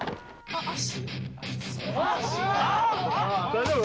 大丈夫？